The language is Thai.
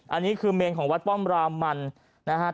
อันนี้คือเมนของวัดป้อมรามันนะครับ